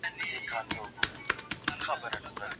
هغه د خپلو غاښونو په پاک ساتلو بوخت دی.